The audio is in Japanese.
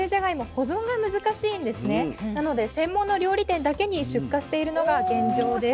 なので専門の料理店だけに出荷しているのが現状です。